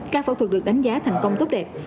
ca phẫu thuật được đánh giá thành công tốt đẹp